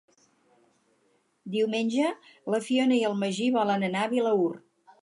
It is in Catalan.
Diumenge na Fiona i en Magí volen anar a Vilaür.